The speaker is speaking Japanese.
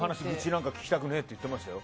愚痴なんか聞きたくないって言ってましたよ。